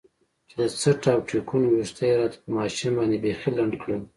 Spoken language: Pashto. چې د څټ او ټېکونو ويښته يې راته په ماشين باندې بيخي لنډ کړل.